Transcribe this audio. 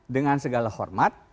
dengan segala hormat